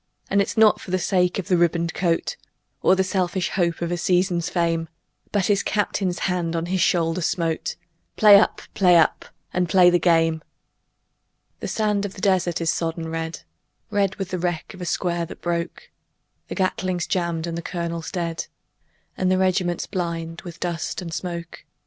And it's not for the sake of a ribboned coat Or the selfish hope of a season's fame, But his Captain's hand on his shoulder smote; "Play up! Play up! And play the game!" The sand of the desert is sodden red Red with the wreck of a square that broke; The Gatling's jammed and the colonel dead, And the regiment's blind with dust and smoke.